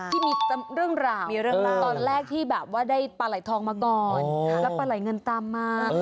ที่มีเรื่องราวมีเรื่องราวตอนแรกที่แบบว่าได้ปลาไหลทองมาก่อนแล้วปลาไหลเงินตามมา